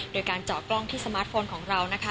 โดยการเจาะกล้องที่สมาร์ทโฟนของเรานะคะ